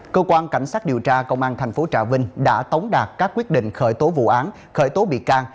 cơ quan cảnh sát điều tra công an tp trà vinh đã tống đạt các quyết định khởi tố vụ án khởi tố bị can